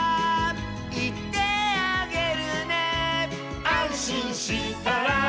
「いってあげるね」「あんしんしたら」